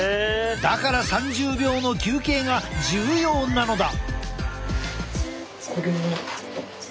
だから３０秒の休憩が重要なのだ。